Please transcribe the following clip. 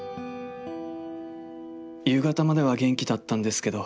『夕方までは元気だったんですけど。